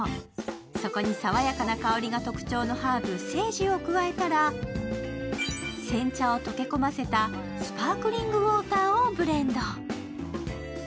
そこに爽やかな香りが特徴のハーブ、セージを加えたら煎茶を溶け込ませたスパークリングウォーターをブレンド。